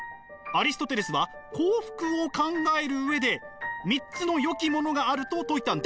アリストテレスは幸福を考える上で３つの善きものがあると説いたんです。